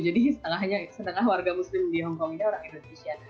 jadi setengahnya warga muslim di hongkong ini orang indonesia